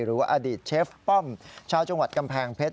หรือว่าอดีตเชฟป้อมชาวจังหวัดกำแพงเพชร